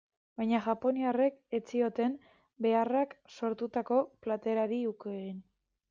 Baina japoniarrek ez zioten beharrak sortutako plater hari uko egin.